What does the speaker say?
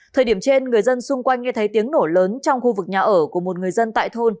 thời điểm trên người dân xung quanh nghe thấy tiếng nổ lớn trong khu vực nhà ở của một người dân tại thôn